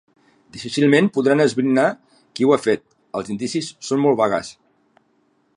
Difícilment podran esbrinar qui ho ha fet: els indicis són molt vagues.